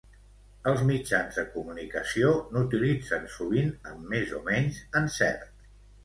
Els mitjans de comunicació n'utilitzen sovint amb més o menys encert.